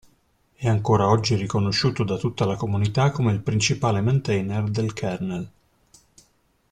È ancora oggi riconosciuto da tutta la comunità come il principale mantainer del kernel.